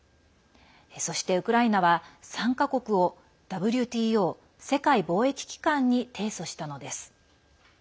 そして、ウクライナは３か国をＷＴＯ＝世界貿易機関に提訴したのです。